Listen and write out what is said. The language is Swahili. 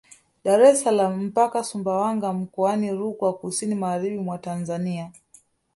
Dar es salaam mpaka Sumbawanga mkoani Rukwa kusini magharibi mwa Tanzania